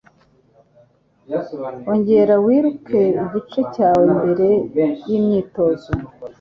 Ongera wiruke igice cyawe mbere yimyitozo.